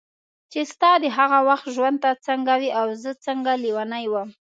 چې ستا د هغه وخت ژوند ته څنګه وې او زه څنګه لیونی وم.